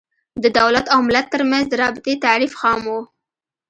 د دولت او ملت تر منځ د رابطې تعریف خام و.